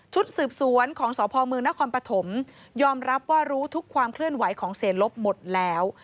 สืบสวนของสพมนครปฐมยอมรับว่ารู้ทุกความเคลื่อนไหวของเสียลบหมดแล้ว